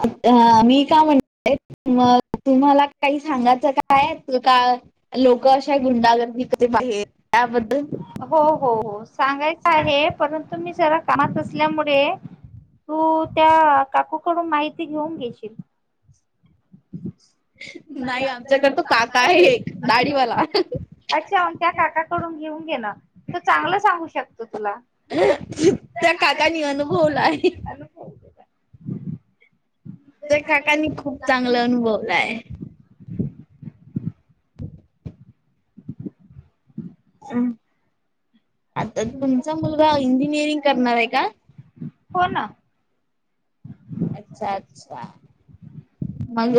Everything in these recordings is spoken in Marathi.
आ अ. मी का म्हण म तुम्हाला काही सांगायचं काय? लोक अशा गुंडागर्दी मध्ये बाहेर त्याबद्दल हो हो हो सांगायचं आहे परंतु मी जरा कामात असल्यामुळे तू त्या काकूकडून माहिती घेऊन घेशील. नाही आमच्याकड तो कात आहे एक दाढीवाला. अच्छा त्या काकाकडून घेऊन घे ना त चांगलं सांगू शकतो तुला. त्या काकानी अनुभवलाय. ते काकाांनी खूप चांगलं अनुभवलंय. अ आता तुमचा मुलगा इंजिनिअरिंग करणार आहे का? हो ना. अच्छा अच्छा मग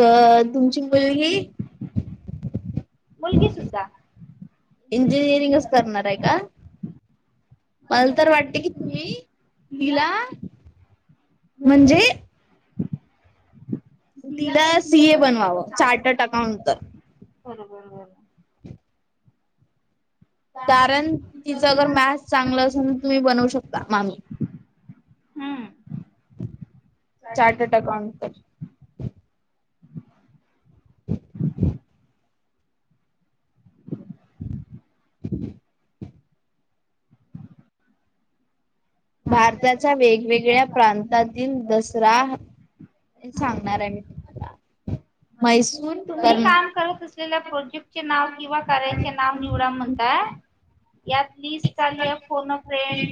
तुमची मुलगी मुलगी सुद्धा. इंजिनियरिंगच करणार आहे का मला तर वाटते की तुम्ही तिला म्हणजे तिला सी ए बनवावं चार्टर्ड अकाउंट तर. बरोबर बरोबर. कारण तिचं मॅथ्स चांगलं असेल तुम्ही बनवू शकता मामी. हम्म. चार्टड अकाउंटर. [unintelligible] [inaudible] भारताच्या वेगवेगळ्या प्रांतातील दसरा ते सांगणार आहे मी तुम्हाला मैसूर तुम्ही करण काम करत असलेल्या प्रोजेक्टचे नाव किंवा कार्याचे नाव निवडा म्हणता यात लिस्ट ली आहे फोन फ्रेड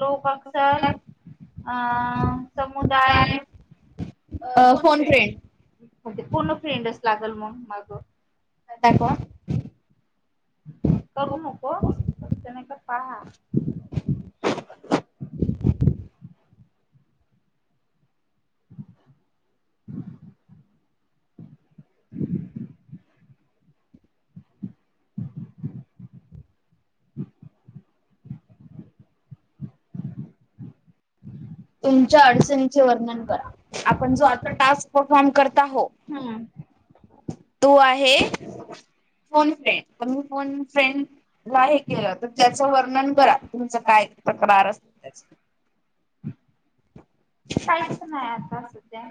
लोक अक्सर अ समुदाय अ फोन फ्रें पूर्ण फ्रेंडच लागल मग माग नाहीय क करू नको त्याने का पहा [inaudible] [inaudible] तुमच्या अडचणीचे वर्णन करा आपण जो आता टास् फर्समे कर हम्म. तो आहे फोन फ्रेंड म्हणून फोन फ्रेंड. हे केलं तर त्याचं वर्णन करा तुमचं काय तक्रार असेल त्याच काहीच तर नाही आता सध्या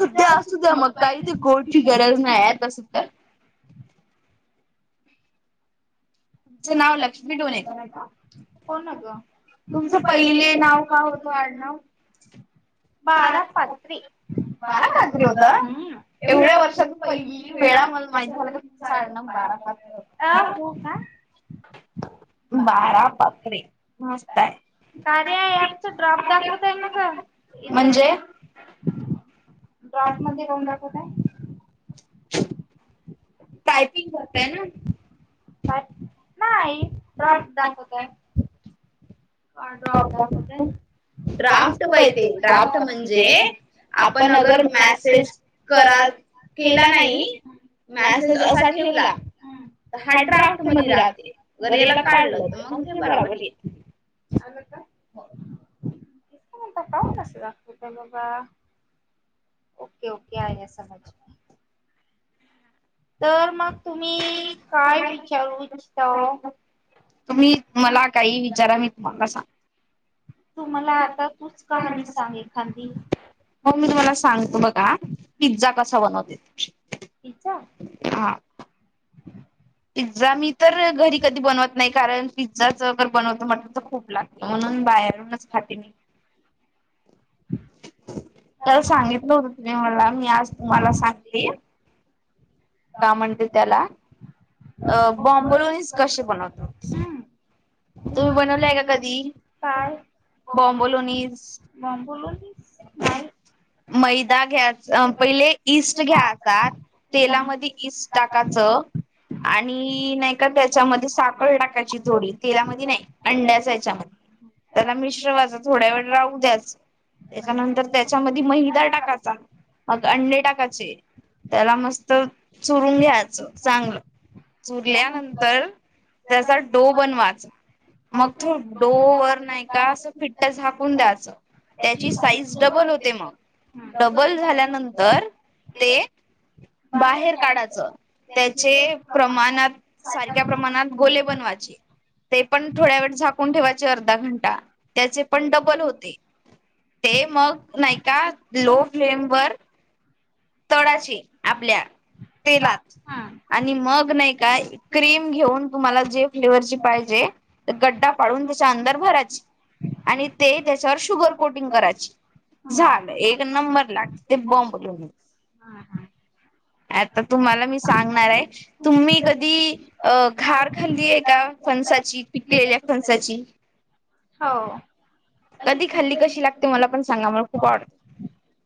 सध्या असू द्या मग काही ते कोटची गरज नाही असू त्या चं नाव लक्ष्मी डोणेकर आहे हो ना ग तुमचं पहिले नाव का होत ना बारा पात्री बारा खात्री होत हम्म एवढ्या वर्षातून पहि वेळा मला मा झाला चाल नम बारा पा अ हो का बारा पपे मस्त कार्या आहे ऍपचा ड्रॉप दाखवत आहे ना का म्हणजे ड्रॉप मध्ये करऊन दाखवतय टायपिंग टयपिंग करतय करताय ना नाही ट्रफ दाखवतय ड्राफ्ट ड्राफ्ट माहिती ड्राफ्ट म्हणजे आपण अगर मेसेज क केला नाही मॅसेज असा ठेवला हा ड्राफ्ट मध्ये राहते अर याला काढलं तर मग ते बराबर ये आणिंतनंत पाऊनस दखतत बघ के समज तर मग तुम्ही काय विचारू इच्छित तुम्ही मला काही विचारा मी तुम्हाला सांग तू मला आता तूच कहाणी सांग एखांदी हो मी तुम्हाला सांगतो बघा पिझ्झा कसा बनवते च आहे हा एदाा मी तर घरी कधी बनवत नाही कारण पिझ्झाचर बनवत म्हटलं तर खूप लागत म्हणून बाहेरूनच खाते मी [inaudible] काल सांगितलं होतं तुम्ही मला मी आज तुम्हाला सांगते का म्हणते त्याला अ बॉम्बलन्स कसे बनवतो? हम्म तुम्ही बनवल हाय का कधी? काय बॉम्बोलोनीज. बॉम्बोलोनीस नाही. मैदा घ्या, पहिले इईस्ट घ्या हातात तेलामध्ये इस टाकाचं आणि नाही का त्याच्यामध्ये साखर टाकायची थोडी, तेलामध्ये नाही अंड्याचा याच्यामध्ये त्याला मिश्रवाच थोड्या वेळ राहू द्या त्याच्यानंतर त्याच्यामध्ये मैदा टाकायचा मग अंडे टाकाचे. त्याला मस्त चुरून घ्याचं चांगलं. चुरल्यानंतर त्याचा डो बनवाच. मग तो डो वर नाही का असं फिट्ट झाकून द्याचं. त्याची साईज डबल होते मग डबल झाल्यानंतर ते बाहेर काढायचं त्याचे प्रमाणात सारख्या प्रमाणात गोले बनवाची. ते पण थोड्या वेळ झाकून ठेवायचे अर्धा घंटा. त्याचे पण डबल होते. ते मग नाही का लो फ्लेम वर तडाची आपल्या तेलात हा. आणि मग नाही का क्रीम घेऊन तुम्हाला जे फ्लेवरची पाहिजे गड्डा पाडून त्याच्या अंदर भरायची आणि ते त्याच्यावर शुगर कोटिंग कराची. झालं एक नंबर लागते बॉम्बलोन. हा हा. आता तुम्हाला मी सांगणार आहे, तुम्ही कधी अ घार खाल्लीय का? फणसाची पिकलेल्या फणसाची हो. कधी खाल्ली, कशी लागते मला पण सांगा मला खूप आव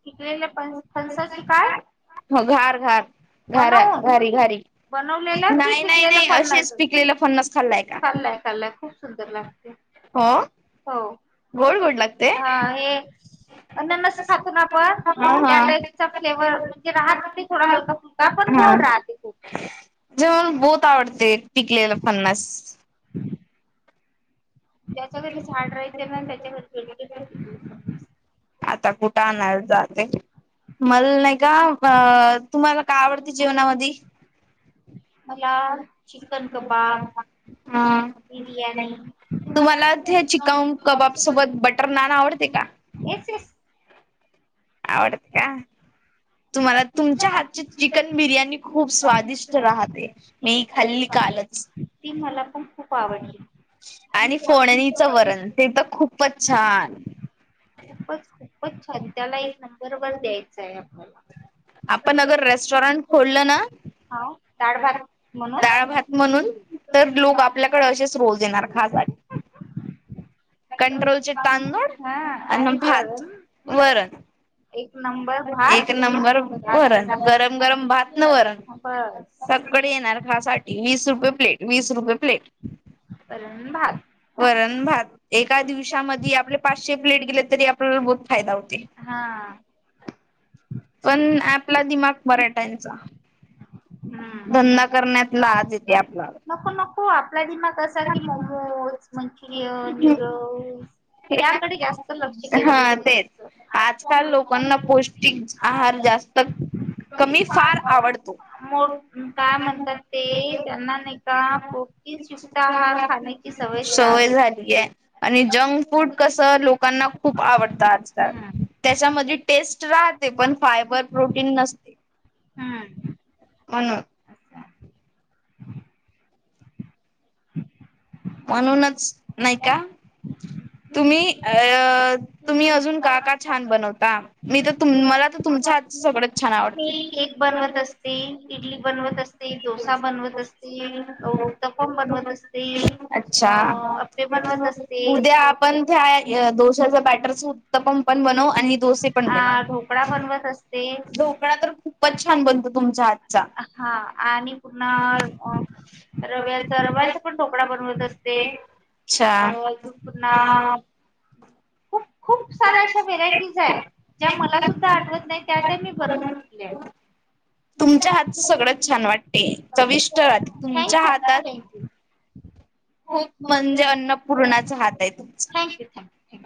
पिकलेल्या फ फणसाची काय? हो घार घार घार बनवून घारी घारी बनवलेल्या कि नाही नाही पिकलेल्या नाही असेच फणस? पिकलेलं फन्नस खाल्लाय का? खाल्लाय खाल्लाय खूप सुंदर लागते हो. हो. गोड गोड लागते हा. हे अननस खातो ना आपण हा त्या हा. टाईप. फ्लेवर म्हणजे राह ते थोडा हलका फुलका पण गोड राहते खूप. जेव बहुत आवडते पिकलेल फन्नस. ज्याच्या घरी झाड राहते ना त्याच्या घरी [unintelligible] आता कुठ आणयला जाते? मल नाही का अ तुम्हाला काय आवडते जेवणामधी? मला चिकन कबाब हा. बिर्याणी तुम्हाला ते चिकन कबाब सोबत बटर नान आवडते का? येच यस. आवडते का? तुम्हाला तुमच्या हातची चिकन बिर्याणी खूप स्वादिष्ट राहते. मी खाल्ली कालच. ती मला पण खूप आवडली. आणि फोडणीचं वरण ते तर खूपच छान. खूपच खूपच छान त्याला एक नंबर वर द्यायचा आहे आपल्याला. आपण अगर रेस्टॉरंट खोललं ना? डाड, भात म्हणून डाळ, भात म्हणून तर लोक आपल्याकडे असेच रोज येणार खासआ कंट्रोलचे तांदूळ हा अन आणि भात, वरण वरण. एक नंबर एक भात नंबर वर गरम गरम भात न वर बस. सगडे येणार खासाठी वीस रुपये प्लेट वीस रुपये प्लेट वरण भात. वरण भात एका दिवसामध्ये आपले पाचशे प्लेट गेले तरी आपल्याला बहुत फायदा होते. हा. पण आपला दिमाग मराठांच्या हम्म. धंदा करण्यात लाज येते आपला नको -नको आपला दिमाग का कि मोमोज मंचुरियन न्यूडल्स आपला याकडे जास्त लक्ष हा केंद्रित. तेच असतं. आजकाल लोकांना पौष्टिक आहार जास्त कमी फार आवडतो. मो काय म्हणतात ते त्यांना नाही का प्रोटीन्स युक्त आहार खाण्याची सवयच सवय राहिली. नाही. झाली आहे आणि जंक फूड कस लोकांना खूप आवडतं आजकाल हम्म त्याच्यामध्ये टेस्ट राहते पण फायबर प्रोटीन नसते हम्म. म्हणून म्हणूनच नाही का? तुम्ही अ तुम्ही अजून का का छान बनवता मी तर तु मला तर तुमच्या सगळंच छान मी आवडते. केक बनवत असते इडली बनवत असते डोसा बनवत असते. हो त पण बनवत असते. अ अच्छा अप्पे बनवत असते. उद्या आपण त्या दडोश्याच बॅटर सु उतपम पण बनव आणि दडोसे पण आ ढोकळा बनव बनवत असते. ढोकळा तरप पच छान बनत तुमच्या आातचा अ रव्याचा रव्याचा पण टोकळाा बनवत असते. अच्छा. अणा खूप -खूप सार्या अशा व्हेरायटीज आहे. ज्या मला सुद्धा आठवत नाही त्या त्या मी बनवून चुकल्या. तुमच्या हात हातच सगळच छान वाटते थँक्यू चविष्ट राह तुमच्या थँक्यू थँक्यू हातात. खूप म्हणजे अन्नपूर्णाचा हात आहे तुमचा थँक्यू थँक्यू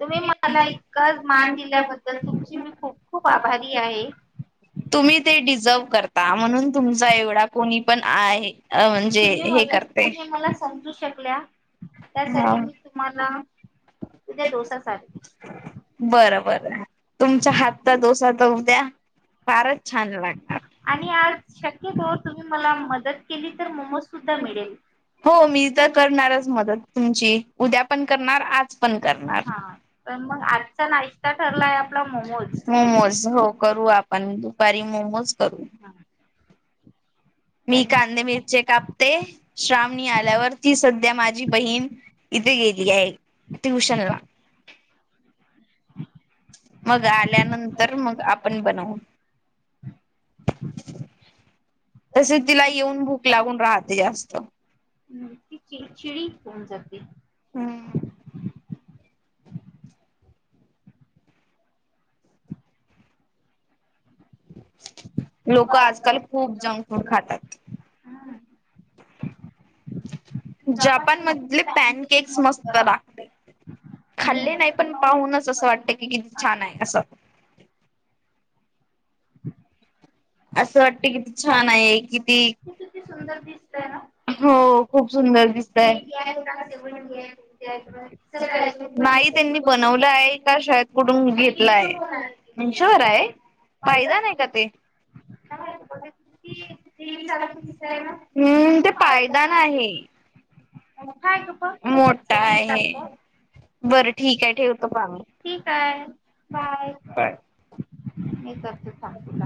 तुम्ही मला इतका मान दिल्याबद्दल तुमची मी खूप खूप आभारी आहे. [unintelligible] तुम्ही ते डिझर्व करता म्हणून तुमचा एवढा कोणी पण आहे. तुम्ही हे मला करते. तुम्ही मला समजू शकल्या हा त्यासाठी मी तुम्हाला तुज्या दोसा साठी बरं -बर तुमच्या हातचा डोसा तर होऊ द्या फारच छान लागणार. आणि आज शक्यतो तुम्ही मला मदत केली तर मोमोज सुद्धा मिळेल. हो मी तर करणारच मदत तुमची उद्या पण करणार आज पण करणार. पण मग आजचा नाश्ता ठरलाय आपला मोमोज मोमोज हो करू आपण दुपारी मोमोज करू. हा. मी कध मिरचे काप ते श्रावणी आल्यावर ती सध्या माझी बहीण इथे गेली आहे. अ ती ट्यूशन ला. मग आल्यानंतर मग आपण बनव. तसेच तिला येऊन भूक लागून राहते जास्त ती चिडचिडी होऊन जाते. हा. लोक आजकाल खूप जंक फूड खातात. हा. जपान मधले पॅन केक्स मस्त लागते. खाल्ले नाही पण पाहूनच असं वाटत की कि छान आहे असं. असं वाटत किती छान आहे किती! र दिसत आहे ना हो खप खूप सुर सुंदर दिसतय. दिडीेव का आहे. [unintelligible] त्यांनी बनवलं आहे का शाळेत कुडून नाही मिक्स घेतलाय फ्रुट शवर आहे. पाहिदा पाहिलं नाही का ते काय आहे ग बघा किती थ्री डी सारखं दिसतंय ना हम्म ते पायदा नाही आहे मोठा आहे ग बघ मोठ मोठा आहे सारखं बरं ठीक आहे ठेवतो प आम् ठीकय काय हे तर तेच सांगत